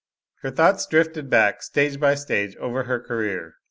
Her thoughts drifted back, stage by stage, over her career.